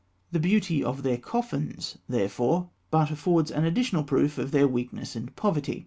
The beauty of their coffins, therefore, but affords an additional proof of their weakness and poverty.